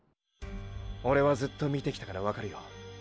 オレはずっと見てきたからわかるよ。